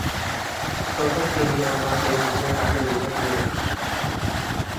তখন তিনি আমাকে নিজের হাতে লিখে দিলেন।